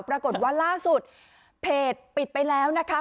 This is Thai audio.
ปรากฏว่าล่าสุดเพจปิดไปแล้วนะคะ